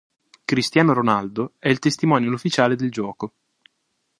Cristiano Ronaldo è il testimonial ufficiale del gioco.